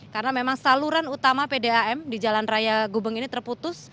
karena memang saluran utama pdam di jalan raya gubeng ini terputus